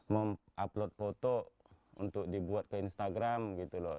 memuat upload foto untuk dibuat ke instagram gitu loh